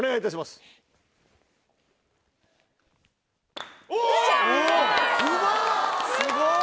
すごい！